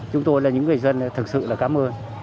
chúng tôi là những người dân thực sự là cảm ơn